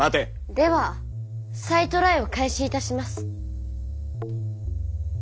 では再トライを開始いたします。